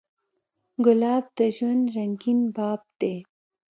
ګلاب د ژوند رنګین باب دی.